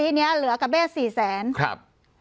ตอนนี้เหลือกับแม่๔๐๐๐๐๐บาท